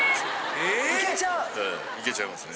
ええいけちゃいますね。